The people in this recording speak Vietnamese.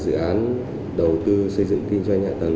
dự án đầu tư xây dựng kinh doanh hạ tầng